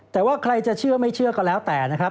แต่ว่าใครจะเชื่อไม่เชื่อก็แล้วแต่นะครับ